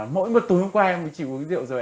mỗi một túi hôm qua em chỉ uống rượu rồi